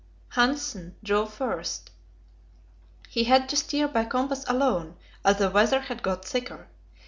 Hanssen drove first; he had to steer by compass alone, as the weather had got thicker.